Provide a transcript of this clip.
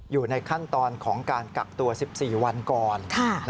อยู่ในขั้นตอนของการกักตัว๑๔วันก่อน